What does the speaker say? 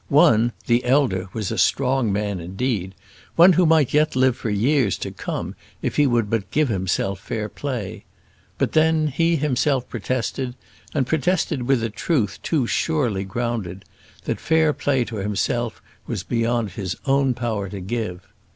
One, the elder, was a strong man, indeed; one who might yet live for years to come if he would but give himself fair play. But then, he himself protested, and protested with a truth too surely grounded, that fair play to himself was beyond his own power to give.